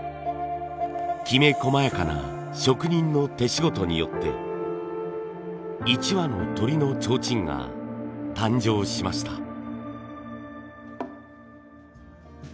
きめこまやかな職人の手仕事によって１羽のとりのちょうちんが誕生しました。